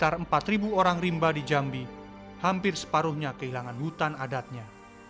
sekitar empat orang rimba di jambi hampir separuhnya kehilangan hutan adatnya